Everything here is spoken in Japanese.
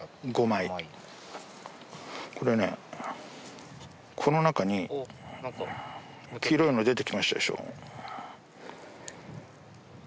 これねこの中に黄色いの出てきましたでしょ。